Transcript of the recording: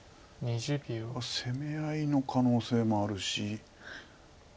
攻め合いの可能性もあるし。